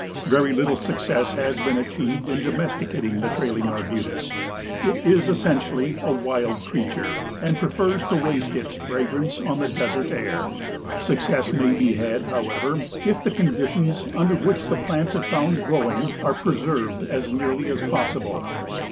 Very little success has been achieved in domesticating the Trailing Arbutus. It is essentially a wild creature and prefers to waste its fragrance on the desert air. Success may be had, however, if the conditions under which the plants are found growing are preserved as nearly as possible.